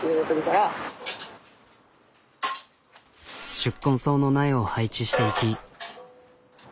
宿根草の苗を配置していき。